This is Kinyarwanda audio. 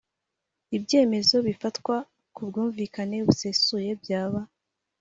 Ibyemezo bifatwa ku bwumvikane busesuye byaba